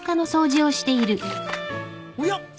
おや？